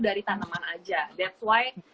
dari tanaman aja that's why